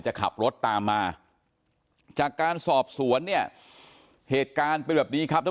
จะขับรถตามมาจากการสอบสวนเนี่ยเหตุการณ์เป็นแบบนี้ครับแล้ว